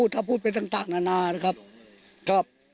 ถ้าพูดเป็นต่างตอนนั้นครับ